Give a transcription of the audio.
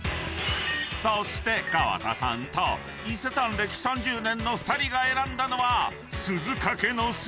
［そして川田さんと伊勢丹歴３０年の２人が選んだのは］